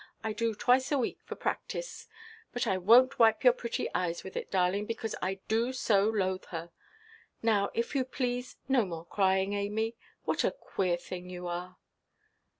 I do twice a week for practice. But I wonʼt wipe your pretty eyes with it, darling, because I do so loathe her. Now, if you please, no more crying, Amy. What a queer thing you are!"